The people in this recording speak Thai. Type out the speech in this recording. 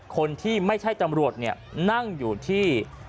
คนที่ไม่ใช่ตำรวจนั่งอยู่ที่